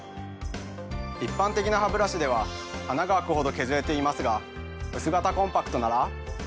一般的なハブラシでは穴が開くほど削れていますが薄型コンパクトなら。